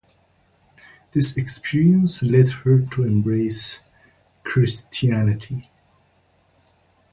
This experience led her to embrace Christianity.